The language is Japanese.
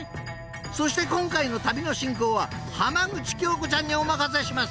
［そして今回の旅の進行は浜口京子ちゃんにお任せします］